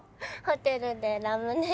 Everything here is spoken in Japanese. ホテルでねラムネ。